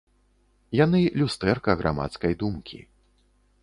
Яны люстэрка грамадскай думкі.